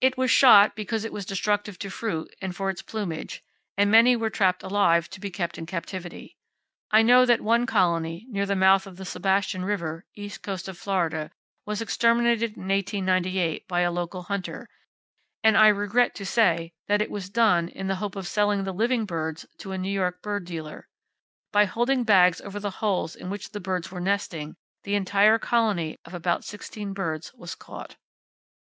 It was shot because it was destructive to fruit and for its plumage, and many were trapped alive, to be kept in captivity. I know that one colony, near the mouth of the Sebastian River, east coast of Florida, was exterminated in 1898 by a local hunter, and I regret to say that it was done in the hope of selling the living birds to a New York bird dealer. By holding bags over the holes in which the birds were nesting, the entire colony, of about 16 birds, was caught.